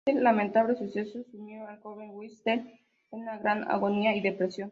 Este lamentable suceso sumió al joven Wittgenstein en una gran agonía y depresión.